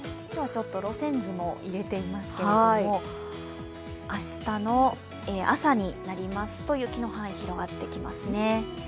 今日は路線図も入れていますけれども、明日の朝になりますと雪の範囲、広がってきますね。